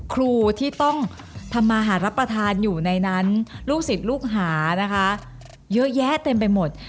ครูที่ต้องทำมาหารับประทานอยู่ในนั้นลูกศิษย์ลูกหานะคะเยอะแยะเต็มไปหมด